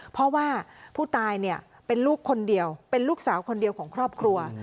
เพราะว่าผู้ตายเนี่ยเป็นลูกคนเดียวเป็นลูกสาวคนเดียวของครอบครัว